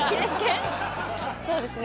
そうですね